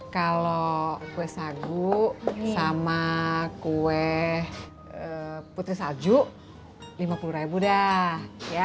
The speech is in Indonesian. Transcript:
kalau kue sagu sama kue putri salju lima puluh dah